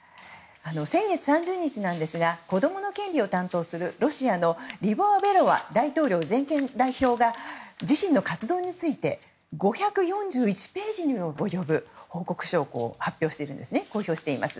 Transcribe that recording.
先月３０日子供の権利を担当するロシアのリボワ・ベロワ大統領全権代表が自身の活動について５４１ページにも及ぶ報告書を公表しています。